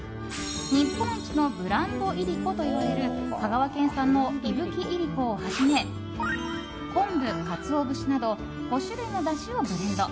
日本一のブランドいりこといわれる香川県産の伊吹いりこをはじめ昆布、カツオ節など５種類のだしをブレンド。